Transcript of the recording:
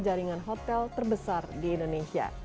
jaringan hotel terbesar di indonesia